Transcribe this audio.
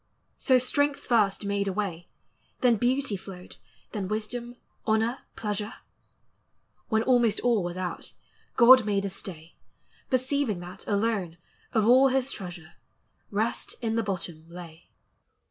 277 So strength first made a way; Then beauty flowed, then wisdom, honor, pleasure: When almost all was out, God made a stay, Perceiving that; alone, of all his treasure, Rest in the bottom lay.